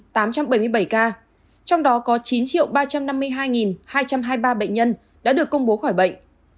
trong đó có chín ba trăm năm mươi hai hai trăm hai mươi ba bệnh nhân đã được công bố khỏi bệnh